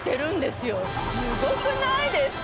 すごくないですか？